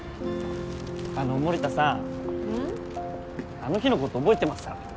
あの日のこと覚えてますか？